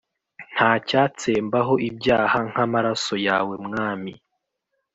Ntacyatsembaho ibyaha nk’amaraso yawe mwami